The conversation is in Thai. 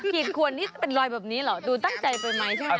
กินควรนี่เป็นรอยแบบนี้เหรอดูตั้งใจไปไหมใช่ไหม